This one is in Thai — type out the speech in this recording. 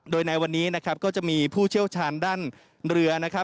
โดยในวันนี้ก็จะมีผู้เชี่ยวชาญด้านเรือ